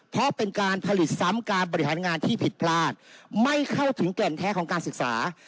เพราะเป็นการผลิตซ้ำการบริหารงานที่ผิดพลาดไม่เข้าถึงแก่นแท้ของการศึกษา